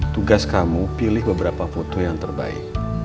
tugas kamu pilih beberapa foto yang terbaik